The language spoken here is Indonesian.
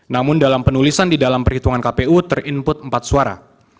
namun dalam penulisan di dalam perhitungan kpu ter input empat suara